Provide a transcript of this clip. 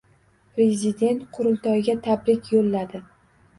Prezident qurultoyga tabrik yo‘lladi